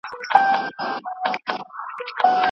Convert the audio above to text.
مکې خاوره د هغوی محاصره شوه.